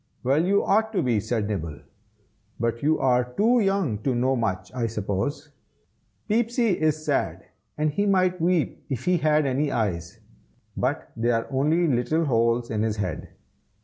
"Well, you ought to be!" said Nibble, "but you are too young to know much, I suppose. Peepsy is sad, and he might weep if he had any eyes, but they are only little holes in his head.